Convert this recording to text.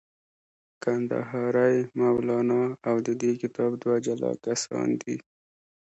کندهاری مولانا او د دې کتاب دوه جلا کسان دي.